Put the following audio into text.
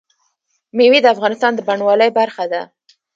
مېوې د افغانستان د بڼوالۍ برخه ده.